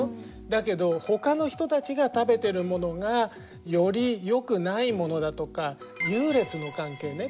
だけどほかの人たちが食べてるものがよりよくないものだとか優劣の関係ね